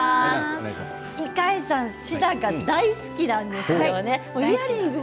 猪飼さんはシダが大好きなんですよね。